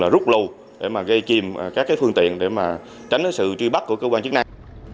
rất là rút lâu để mà gây chìm các phương tiện để mà tránh sự truy bắt của cơ quan chức năng